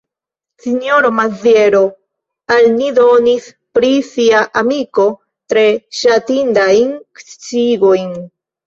Sinjoro Maziero al ni donis pri sia amiko tre ŝatindajn sciigojn.